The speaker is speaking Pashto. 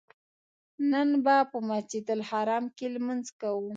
نن به په مسجدالحرام کې لمونځ کوو.